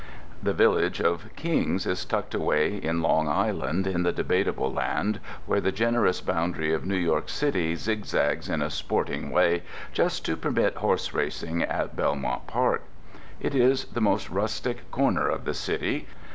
The village of Kings is tucked away in Long Island, in the Debatable Land where the generous boundary of New York City zigzags in a sporting way just to permit horse racing at Belmont Park. It is the most rustic corner of the City.